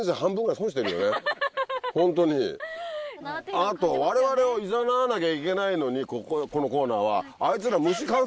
あと我々をいざなわなきゃいけないのにこのコーナーは。